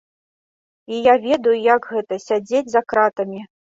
І я ведаю, як гэта, сядзець за кратамі.